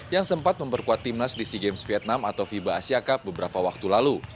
yang sempat memperkuat timnas di sea games vietnam atau fiba asia cup beberapa waktu lalu